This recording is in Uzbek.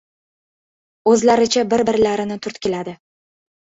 O‘zlaricha bir-birlarini turtkiladi.